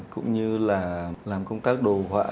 cũng như là làm công tác đồ họa